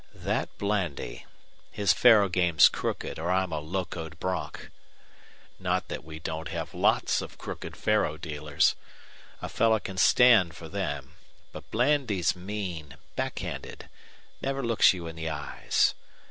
"That Blandy. His faro game's crooked, or I'm a locoed bronch. Not that we don't have lots of crooked faro dealers. A fellow can stand for them. But Blandy's mean, back handed, never looks you in the eyes.